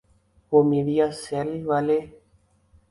وہ میڈیاسیل والے؟